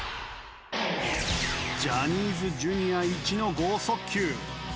ジャニーズ Ｊｒ． いちの豪速球